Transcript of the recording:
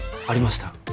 ありました。